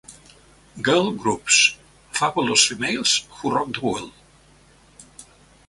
Girl Groups: Fabulous Females Who Rocked The World.